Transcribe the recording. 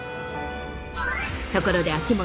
ところで秋元さん。